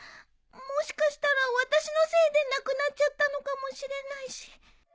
もしかしたら私のせいでなくなっちゃったのかもしれないし。